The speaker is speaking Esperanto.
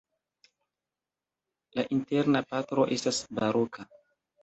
La interna parto estas baroka.